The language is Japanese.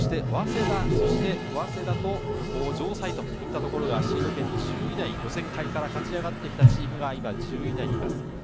早稲田、城西といったところがシード権１０位以内、予選会から勝ち上がってきたチームが１０位以内にいます。